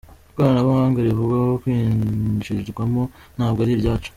Ikoranabuhanga rivugwaho kwinjirwamo ntabwo ari iryacu.